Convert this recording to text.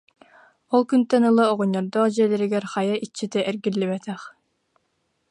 Ол күнтэн ыла оҕонньордоох дьиэлэригэр хайа иччитэ эргиллибэтэх